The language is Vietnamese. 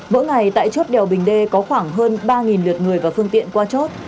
mỗi ngày tại chốt đèo bình đê có khoảng hơn ba lượt người và phương tiện qua chốt